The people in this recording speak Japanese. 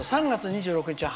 「３月２６日